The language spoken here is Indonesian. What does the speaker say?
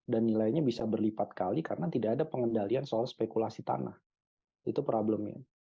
nilainya bisa berlipat kali karena tidak ada pengendalian soal spekulasi tanah itu problemnya